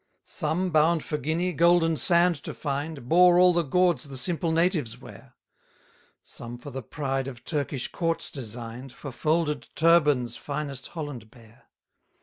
206 Some bound for Guinea, golden sand to find, Bore all the gauds the simple natives wear; Some for the pride of Turkish courts design'd, For folded turbans finest Holland bear.